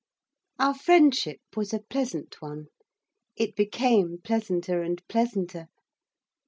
Our friendship was a pleasant one. It became pleasanter and pleasanter.